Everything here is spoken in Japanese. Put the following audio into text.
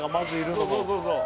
そうそうそうそう。